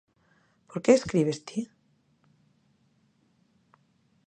Por que escribes ti?